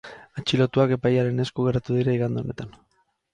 Atxilotuak epailearen esku geratu dira igande honetan.